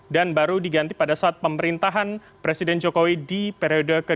dan baru diganti pada saat pemerintahan presiden jokowi di periode ke dua